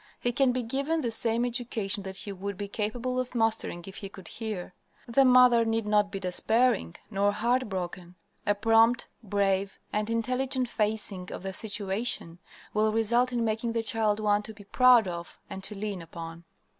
He can be given the same education that he would be capable of mastering if he could hear. The mother need not be despairing nor heart broken. A prompt, brave, and intelligent facing of the situation will result in making the child one to be proud of and to lean upon.